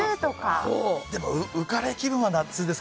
浮かれ気分は夏です。